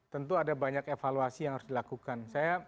tentu ada banyak evaluasi yang harus dilakukan